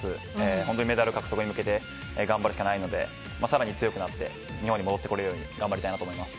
本当にメダル獲得に向けて頑張るしかないので更に強くなって日本に戻ってこれるように頑張りたいと思います。